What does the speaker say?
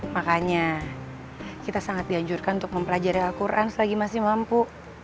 makanya kita sangat dianjurkan untuk mempelajari al quran selagi masih mampu